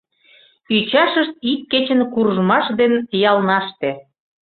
Ӱчашышт ик кечын куржмаш ден ялнаште